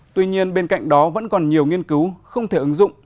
tuy nhiên bên cạnh đó vẫn còn nhiều nghiên cứu không thể ứng dụng